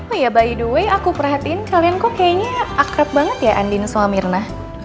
oh ya by the way aku perhatiin kalian kok kayaknya akrab banget ya andin sama mirna